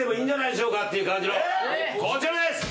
こちらです！